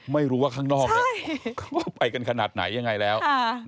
ไม่รู้ว่าข้างนอกเนี่ยเขาว่าไปกันขนาดไหนยังไงแล้ว